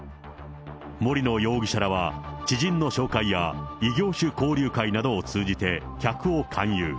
森野容疑者らは知人の紹介や異業種交流会などを通じて客を勧誘。